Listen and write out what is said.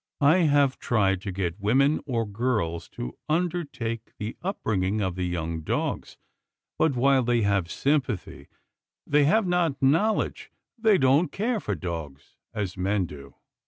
I have tried to get women or girls to under take the up bringing of the young dogs, but, while they have sympathy, they have not knowledge. They don't care for dogs as men do.